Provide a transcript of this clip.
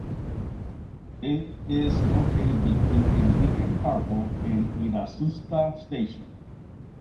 It is located between the Enrique Carbó and Irazusta stations.